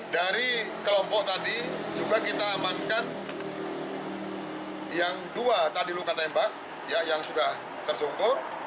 dari kelompok tadi juga kita amankan yang dua tadi luka tembak yang sudah tersungkur